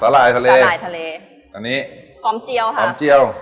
อ่าสลายทะเลสลายทะเลอันนี้อ๋อมเจียวค่ะอ๋อมเจียว